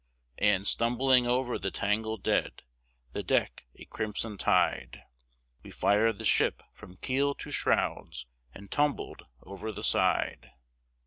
And, stumbling over the tangled dead, The deck a crimson tide, We fired the ship from keel to shrouds And tumbled over the side.